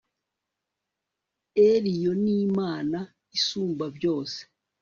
ELYONIMANA ISUMBA BYOSE